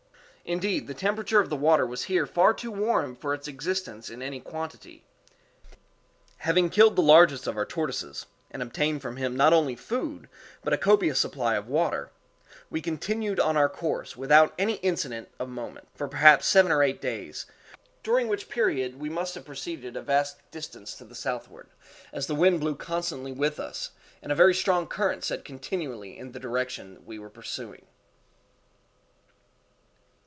_Indeed, the temperature of the water was here far too warm for its existence in any quantity. Having killed the largest of our tortoises, and obtained from him not only food but a copious supply of water, we continued on our course, without any incident of moment, for perhaps seven or eight days, during which period we must have proceeded a vast distance to the southward, as the wind blew constantly with us, and a very strong current set continually in the direction we were pursuing.